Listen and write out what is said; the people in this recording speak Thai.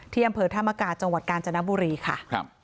ที่อำเภอธมกาจังหวัดกาญจนบุรีค่ะครับ